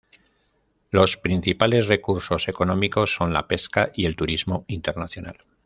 Los principales recursos económicos son la pesca y el turismo internacional.